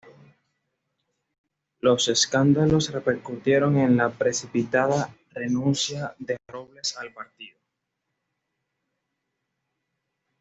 Los escándalos repercutieron en la precipitada renuncia de Robles al partido.